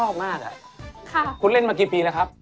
ครับคุณเล่นเมื่อกี่ปีแล้วครับ